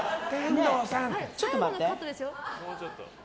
ちょっと待って。